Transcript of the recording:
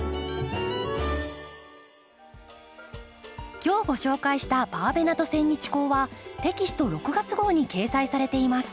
今日ご紹介した「バーベナとセンニチコウ」はテキスト６月号に掲載されています。